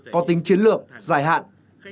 có tính chiến lược giải hạn